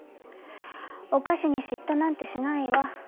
お菓子に嫉妬なんてしないわ。